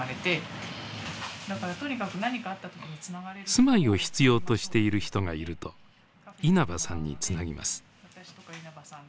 住まいを必要としている人がいると稲葉さんにつなぎます。